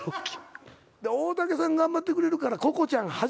大竹さん頑張ってくれるからココちゃん